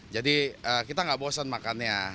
jadi kita nggak bosan makannya